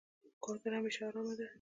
کوتره همیشه آرامه ده.